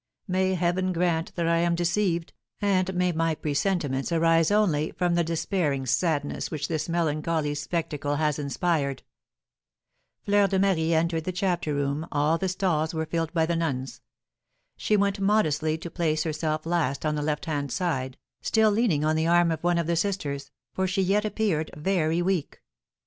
May Heaven grant that I am deceived, and may my presentiments arise only from the despairing sadness which this melancholy spectacle has inspired! Fleur de Marie entered the chapter room, all the stalls were filled by the nuns. She went modestly to place herself last on the left hand side, still leaning on the arm of one of the sisters, for she yet appeared very weak.